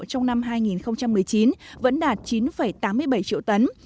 trong năm hai nghìn một mươi chín vẫn đạt chín tám mươi bảy triệu tấn